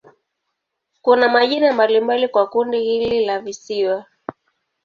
Kuna majina mbalimbali kwa kundi hili la visiwa.